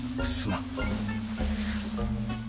すまん。